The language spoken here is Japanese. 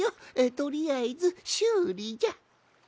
とりあえずしゅうりじゃ。